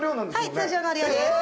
はい通常の量です。